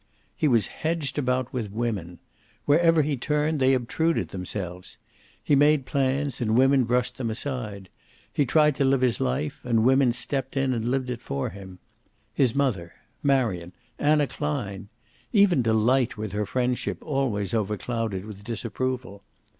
He was hedged about with women. Wherever he turned, they obtruded themselves. He made plans and women brushed them aside. He tried to live his life, and women stepped in and lived it for him. His mother, Marion, Anna Klein. Even Delight, with her friendship always overclouded with disapproval.